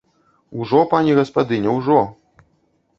Ужо, пані гаспадыня, ужо!